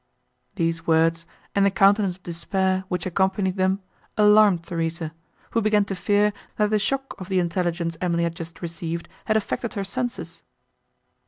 These words, and the countenance of despair which accompanied them, alarmed Theresa, who began to fear, that the shock of the intelligence Emily had just received, had affected her senses.